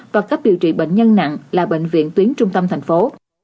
và cấp điều trị bệnh nhân nặng là bệnh viện tuyến trung tâm thành phố